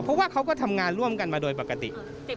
เพราะว่าเขาก็ทำงานร่วมกันมาโดยปกติ